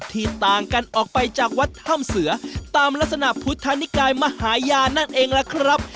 ที่ต่างกันออกไปจากวัดถ้ำเสือตามลักษณะพุทธนิกายมหาญานั่นเองล่ะครับ